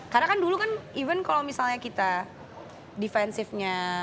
karena kan dulu kan even kalo misalnya kita defensive nya